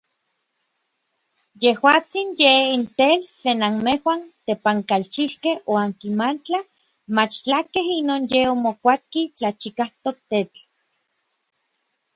Yejuatsin yej n tetl tlen anmejuan tepankalchijkej oankimatla machtlakej inon yen omokuapki tlachikajtok tetl.